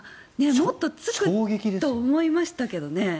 もっとつくと思いましたけどね。